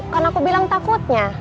kan aku bilang takutnya